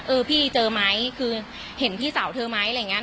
เออพี่เจอไหมคือเห็นพี่สาวเธอไหมอะไรอย่างเงี้